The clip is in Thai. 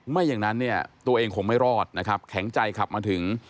ไม่อย่างนั้นเนี่ยตัวเองคงไม่รอดนะครับแข็งใจขับมาถึง